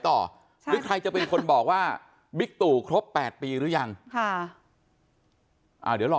หรือใครจะเป็นคนบอกว่าบิ๊กตู่ครบ๘ปีหรือยังค่ะอ่าเดี๋ยวรอ